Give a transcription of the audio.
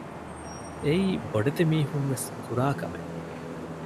އެއީ ބޮޑެތި މީހުންވެސް ކުރާ ކަމެއް